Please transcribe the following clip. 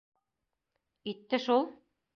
Итте шул!